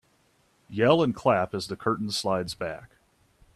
Yell and clap as the curtain slides back.